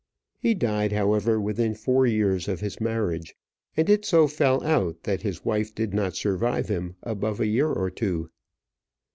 He died, however, within four years of his marriage, and it so fell out that his wife did not survive him above a year or two.